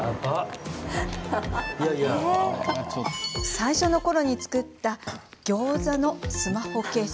最初のころに作ったギョーザのスマホケース。